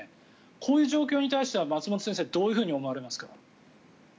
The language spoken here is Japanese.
こういう状況に対しては松本先生どう思われますか？